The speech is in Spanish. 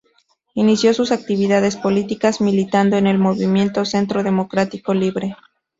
Inició sus actividades políticas militando en el movimiento Centro Democrático Libre.